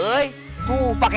tidak ada yang bisa ngaji